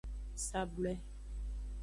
Sablwe.